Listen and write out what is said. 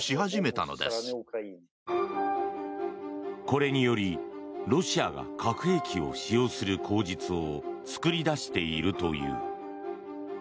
これによりロシアが核兵器を使用する口実を作り出しているという。